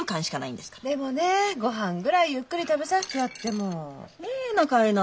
でもねごはんぐらいゆっくり食べさせてやっても。いいなかいな。